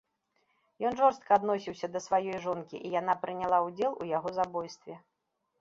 Ён жорстка адносіўся да сваёй жонкі, і яна прыняла ўдзел у яго забойстве.